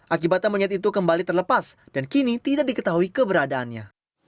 akibatnya monyet itu kembali terlepas dan kini tidak diketahui keberadaannya